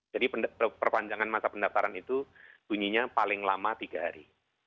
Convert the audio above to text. jadi perpanjangan masa pendaftaran itu bunyinya paling lama tiga hari